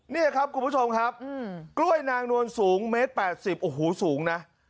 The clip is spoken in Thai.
นี่ครับคุณผู้ชมครับกล้วยนางนวลสูงเมตร๘๐โอ้โหสูงนะ